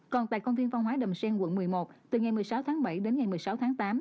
còn tại công viên văn hóa đầm xen quận một mươi một từ ngày một mươi sáu tháng bảy đến ngày một mươi sáu tháng tám